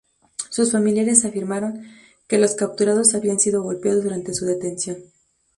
Sus familiares afirmaron que los capturados habían sido golpeados durante su detención.